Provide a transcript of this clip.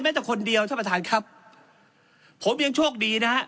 จะคนเดียวท่านประธานครับผมยังโชคดีนะฮะ